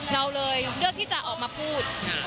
เราเลยเลือกที่จะออกมาพูด